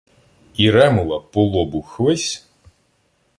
І Ремула по лобу хвись!